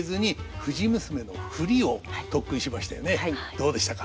どうでしたか？